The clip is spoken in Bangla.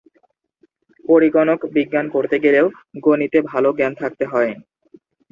পরিগণক বিজ্ঞান পড়তে গেলেও গণিতে ভালো জ্ঞান থাকতে হয়।